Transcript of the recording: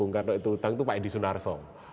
bung karno itu utang itu pak edi sunarso